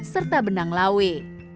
serta benang lawe